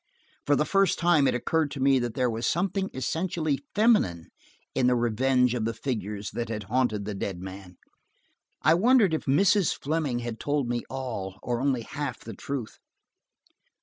For the first time it occurred to me that there was something essentially feminine in the revenge of the figures that had haunted the dead man. I wondered if Mrs. Fleming had told me all, or only half the truth.